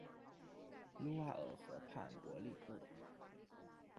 卢瓦尔河畔博利厄。